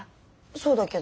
そうだけど。